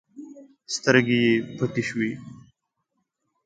سترګې يې پټې شوې.